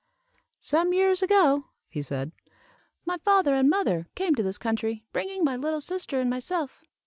"Some years ago," he said, "my father and mother came to this country, bringing my little sister and myself.